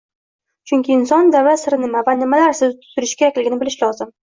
Chunki inson davlat siri nima va nimalar sir tutilishi kerakligini bilishi lozim.